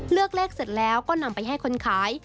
เลือกเลขเสร็จแล้วก็นำไปให้คนขาย